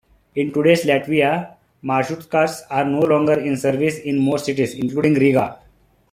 In today's Latvia, marshrutkas are no longer in service in most cities, including Riga.